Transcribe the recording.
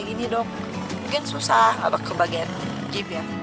kayak gini dong mungkin susah kebagian jeep ya